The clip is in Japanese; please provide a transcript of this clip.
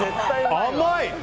甘い。